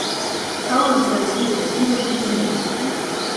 Holland says he will see what he can do.